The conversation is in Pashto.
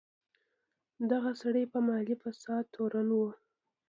دغه سړی په مالي فساد تورن و.